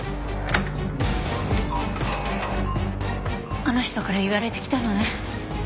あの人から言われて来たのね。